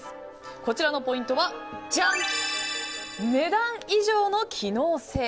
こちらのポイントは値段以上の機能性。